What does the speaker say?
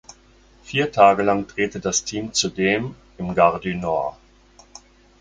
Vier Tage lang drehte das Team zudem im Gare du Nord.